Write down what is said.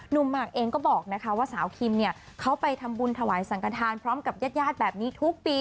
นุ่มหมากเองก็บอกว่าสาวคิมเขาไปทำบุญถวายสังกรรรทานพร้อมกับแยธยาธิแบบนี้ทุกปี